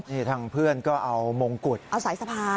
นี่ทางเพื่อนก็เอามงกุฎเอาสายสภา